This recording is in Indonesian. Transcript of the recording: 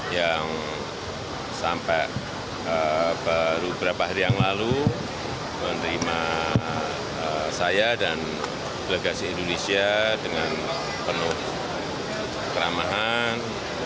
yang sampai baru beberapa hari yang lalu menerima saya dan delegasi indonesia dengan penuh keramahan